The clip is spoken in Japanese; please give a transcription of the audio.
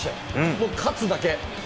もう勝つだけ。